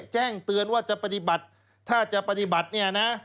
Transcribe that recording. แจ้งเตือนว่าจะปฏิบัติถ้าจะปฏิบัติเนี่ยนะ